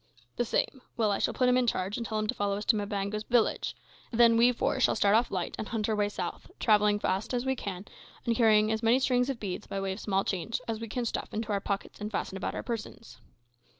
"The same. Well, I shall put him in charge, and tell him to follow us to Mbango's village; then we four shall start off light, and hunt our way south, travelling as fast as we can, and carrying as many strings of beads, by way of small change, as we can stuff into our pockets and fasten about our persons."